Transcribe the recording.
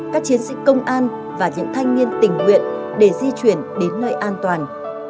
các chiến sĩ công an và những thanh niên tình nguyện để di chuyển đến nơi an toàn